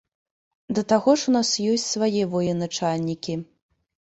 Да таго ж у нас ёсць свае военачальнікі.